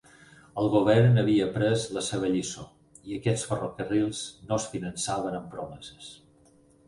El govern havia après la seva lliçó i aquests ferrocarrils no es finançaven amb promeses.